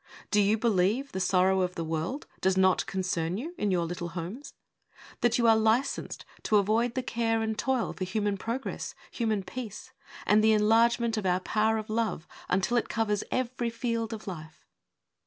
Do you believe the sorrow of the world Does not concern you in your little homes? That you are licensed to avoid the care And toil for human progress, human peace, And the enlargement of our power of love Until it covers every field of life?